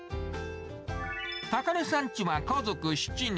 高根さんチは家族７人。